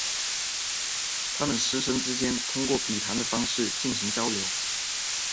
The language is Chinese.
他们师生之间通过笔谈的方式进行交流。